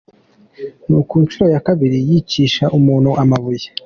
Ni ku nshuro ya kabiri yicisha umuntu amabuye.